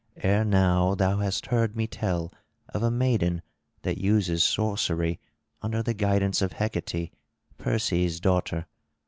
Ere now thou hast heard me tell of a maiden that uses sorcery under the guidance of Hecate, Perses' daughter.